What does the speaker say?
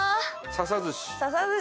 笹寿司。